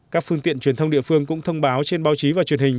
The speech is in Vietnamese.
các phương tiện truyền thông địa phương cũng thông báo trên báo chí và truyền hình